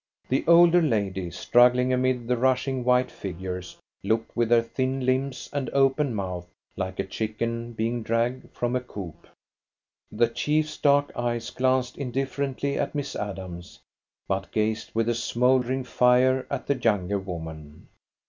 The older lady, struggling amid the rushing white figures, looked with her thin limbs and open mouth like a chicken being dragged from a coop. The chief's dark eyes glanced indifferently at Miss Adams, but gazed with a smouldering fire at the younger woman.